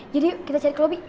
jadi yuk kita cari ke lobby